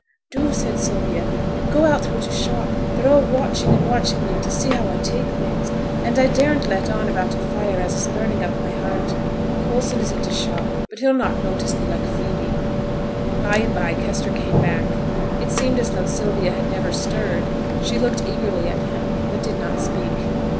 'Do,' said Sylvia, 'and go out through t' shop; they're all watching and watching me to see how I take things; and daren't let on about t' fire as is burning up my heart. Coulson is i' t' shop, but he'll not notice thee like Phoebe.' By and by Kester came back. It seemed as though Sylvia had never stirred; she looked eagerly at him, but did not speak.